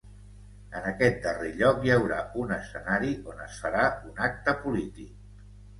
En aquest darrer lloc hi haurà un escenari on es farà un acte polític.